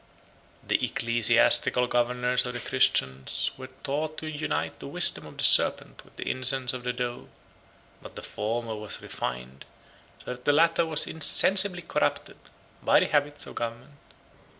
The ecclesiastical governors of the Christians were taught to unite the wisdom of the serpent with the innocence of the dove; but as the former was refined, so the latter was insensibly corrupted, by the habits of government.